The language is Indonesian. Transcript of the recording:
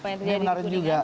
ini menarik juga